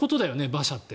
馬車って。